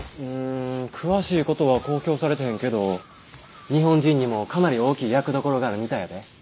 うん詳しいことは公表されてへんけど日本人にもかなり大きい役どころがあるみたいやで。